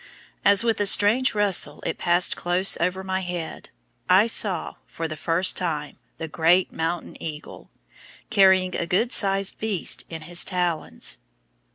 As with a strange rustle it passed close over my head, I saw, for the first time, the great mountain eagle, carrying a good sized beast in his talons.